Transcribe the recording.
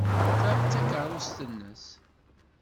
Ta d takeṛṛust-nnes.